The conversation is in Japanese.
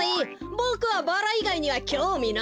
ボクはバラいがいにはきょうみないよ。